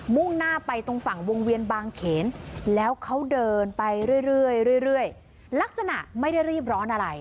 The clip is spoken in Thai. ่งหน้าไปตรงฝั่งวงเวียนบางเขนแล้วเขาเดินไปเรื่อยลักษณะไม่ได้รีบร้อนอะไร